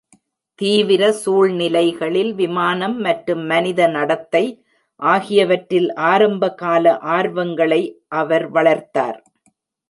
தீவிர சூழ்நிலைகளில் விமானம் மற்றும் மனித நடத்தை ஆகியவற்றில் ஆரம்பகால ஆர்வங்களை அவர் வளர்த்தார்.